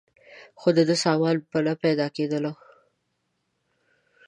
خو دده سامان به نه پاکېدلو.